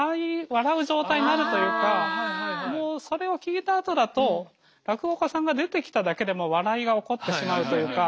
それを聴いたあとだと落語家さんが出てきただけでも笑いが起こってしまうというか。